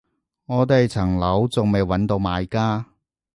我哋層樓仲未搵到買家